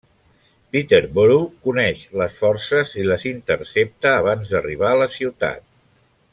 Peterborough coneix les forces i les intercepta abans d'arribar a la ciutat.